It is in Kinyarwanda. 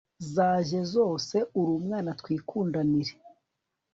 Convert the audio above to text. zajye zose uramwana twikundanire